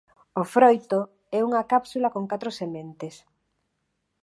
O froito é unha cápsula con catro sementes.